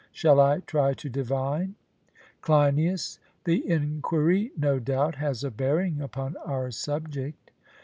Shall I try to divine? CLEINIAS: The enquiry, no doubt, has a bearing upon our subject.